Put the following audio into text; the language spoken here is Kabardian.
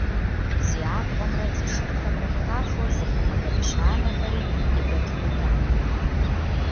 Зи абгъуэмрэ зи шырхэмрэ «хахуэу» зыхъумэ бабыщ анэхэри къикӀуэтынутэкъым.